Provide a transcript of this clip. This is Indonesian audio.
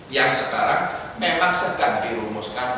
yang sekarang memang sedang dirumuskan